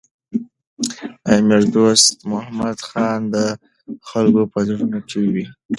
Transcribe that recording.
امیر دوست محمد خان د خلکو په زړونو کي و.